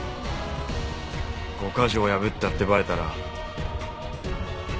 ５ヶ条を破ったってバレたら８億が。